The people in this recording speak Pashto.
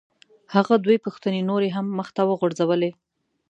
هغه دوه پوښتنې نورې هم مخ ته وغورځولې.